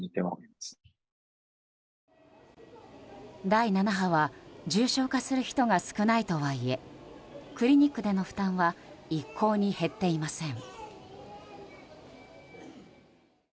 第７波は重症化する人が少ないとはいえクリニックでの負担は一向に減っていません。